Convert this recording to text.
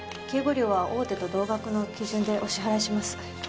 警護料は大手と同額の基準でお支払いします。